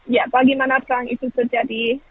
ya bagaimana perang itu terjadi